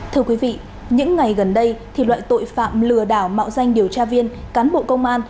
thưa quý vị những ngày gần đây loại tội phạm lừa đảo mạo danh điều tra viên cán bộ công an